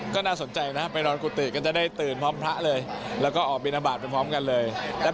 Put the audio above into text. ก็จะได้ตื่นพร้อมพระเลยแล้วก็ออกมินโทบาทไปพร้อมกันเลย